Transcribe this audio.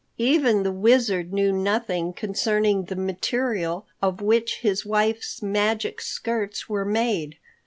Even the Wizard knew nothing concerning the material of which his wife's magic skirts were made.